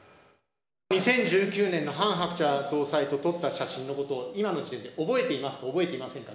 ２０１９年のハン・ハクチャ総裁と撮った写真のこと、今の時点で覚えていますか、覚えていませんか。